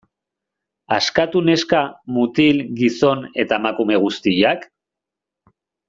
Askatu neska, mutil, gizon eta emakume guztiak?